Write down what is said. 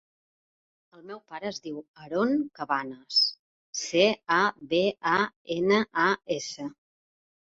El meu pare es diu Aron Cabanas: ce, a, be, a, ena, a, essa.